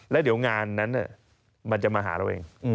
แล้วเดี๋ยวงานนั้นมันจะมาหาเราเอง